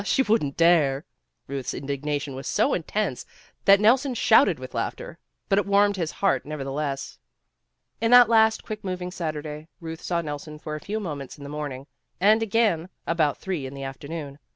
She wouldn't dare." Ruth's indignation was so intense that Nelson shouted with laughter, but it warmed his heart, never theless. In that last quick moving Saturday, Euth saw Nelson for a few moments in the morning, and again about three in the afternoon.